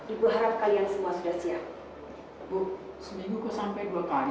ibu harap kalian semua bisa menikmati ulangan ini